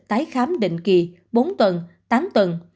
tái khám định kỳ bốn tuần tám tuần